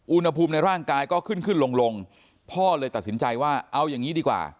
อุณหภูมิในร่างกายก็ขึ้นขึ้นลงลงพ่อเลยตัดสินใจว่าเอาอย่างนี้ดีกว่า